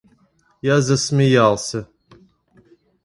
Я засмеялся.